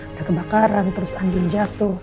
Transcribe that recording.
ada kebakaran terus angin jatuh